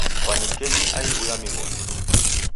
Kwanyikenyi aighu ya mighodi